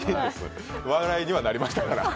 笑いにはなりましたが。